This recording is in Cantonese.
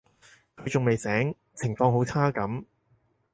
佢仲未醒，情況好差噉